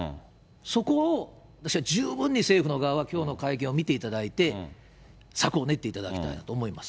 そこを私は十分に政府の側はきょうの会見を見ていただいて、策を練っていただきたいと思います。